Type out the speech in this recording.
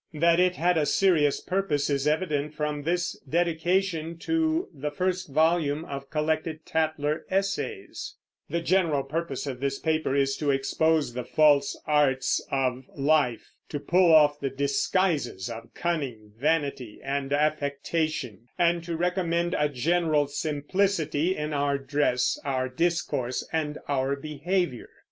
That it had a serious purpose is evident from this dedication to the first volume of collected Tatler essays: The general purpose of this paper is to expose the false arts of life, to pull off the disguises of cunning, vanity, and affectation, and to recommend a general simplicity in our dress, our discourse, and our behavior.